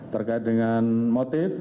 terkait dengan motif